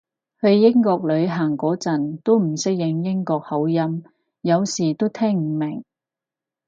去英國旅行嗰陣都唔適應英國口音，有時都聽唔明